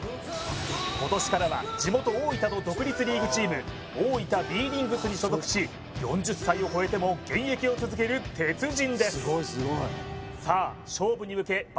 今年からは地元大分の独立リーグチーム大分Ｂ−リングスに所属し４０歳を超えても現役を続ける鉄人ですさあ